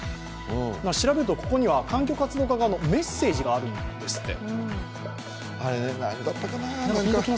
調べると、ここには環境活動家からのメッセージがあるんですって。